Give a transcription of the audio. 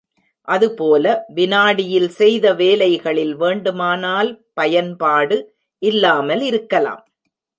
அதுபோல, விநாடியில் செய்த வேலைகளில் வேண்டுமானால் பயன்பாடு இல்லாமல் இருக்கலாம்.